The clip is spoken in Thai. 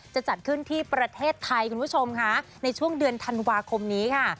จะจัดขึ้นที่ประเทศไทยคุณผู้ชมค่ะในช่วงเดือนธันวาคมนี้ค่ะ